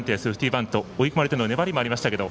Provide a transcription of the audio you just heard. バント追い込まれてからの粘りもありましたけど